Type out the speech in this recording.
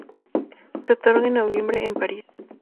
Se otorga en noviembre en París.